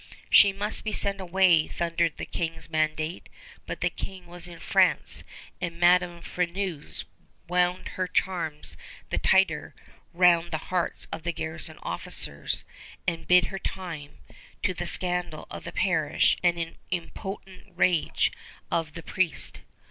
"She must be sent away," thundered the King's mandate; but the King was in France, and Madame Freneuse wound her charms the tighter round the hearts of the garrison officers, and bided her time, to the scandal of the parish and impotent rage of the priest.